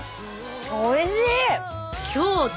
おいしい。